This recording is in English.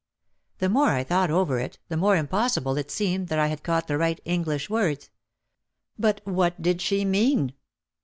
The more I thought over it the more impossible it seemed that I had caught the right "English words." But what did she mean?